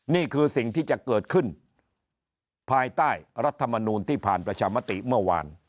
นี่คือสิ่งที่จะเกิดขึ้นภายใต้รัฐมนูลที่ผ่านประชามติเมื่อวาน